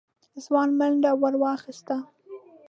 ځوان منډه ور واخيسته.